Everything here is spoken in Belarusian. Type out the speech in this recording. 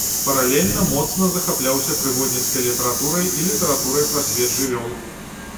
Паралельна моцна захапляўся прыгодніцкай літаратурай і літаратурай пра свет жывёл.